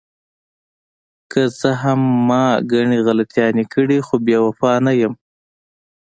که څه هم ما ګڼې غلطیانې کړې، خو بې وفا نه یم.